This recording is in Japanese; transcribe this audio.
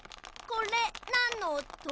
これなんのおと？